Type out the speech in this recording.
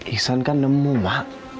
iksan kan nemu ma